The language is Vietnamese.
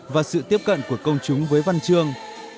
và sự tiếp cận của công chúng với văn chương